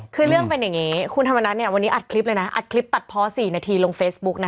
คือเรื่องเป็นอย่างนี้คุณธรรมนัฐเนี่ยวันนี้อัดคลิปเลยนะอัดคลิปตัดเพาะ๔นาทีลงเฟซบุ๊กนะ